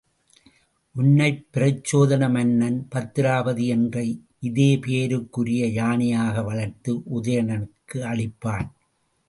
உன்னைப் பிரச்சோதன மன்னன் பத்திராபதி என்ற இதே பெயருக்குரிய யானையாக வளர்த்து உதயணனுக்கு அளிப்பான்.